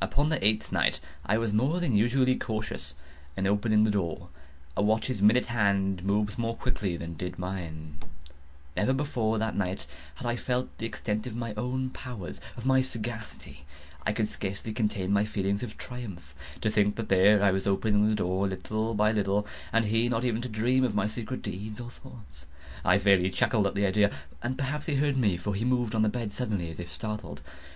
Upon the eighth night I was more than usually cautious in opening the door. A watch's minute hand moves more quickly than did mine. Never before that night had I felt the extent of my own powers—of my sagacity. I could scarcely contain my feelings of triumph. To think that there I was, opening the door, little by little, and he not even to dream of my secret deeds or thoughts. I fairly chuckled at the idea; and perhaps he heard me; for he moved on the bed suddenly, as if startled.